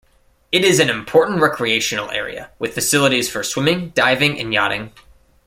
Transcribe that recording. It is an important recreational area, with facilities for swimming, diving and yachting.